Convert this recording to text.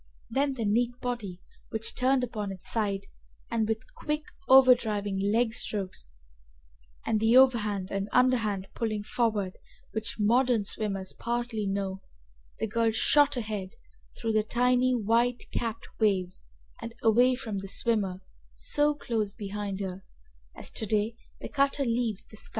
Then the neat body turned upon its side, and with quick outdriving legstrokes and the overhand and underhand pulling forward which modern swimmers partly know, the girl shot ahead through the tiny white capped waves and away from the swimmer so close behind her, as to day the cutter leaves the scow.